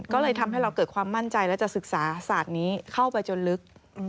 ก็เลยทำให้เราเกิดความมั่นใจและจะศึกษาศาสตร์นี้เข้าไปจนลึก